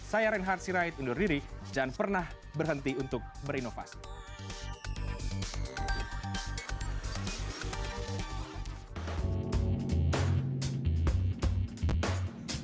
saya reinhard sirait undur diri jangan pernah berhenti untuk berinovasi